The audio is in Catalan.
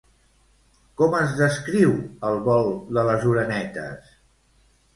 Com es descriu el vol de les orenetes?